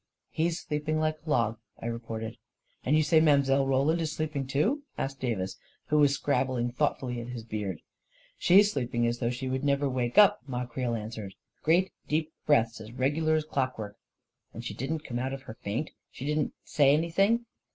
" He's sleeping like a log," I reported. "And you say Mile. Roland is sleeping, too?" asked Davis, who was scrabbling thoughtfully at his beard " She's sleeping as though she would never wake 276 f A KING IN BABYLON up,' 9 Ma Creel answered. " Great, deep breaths, as regular as clock work." "And she didn't come out of her faint? She didn't say anything?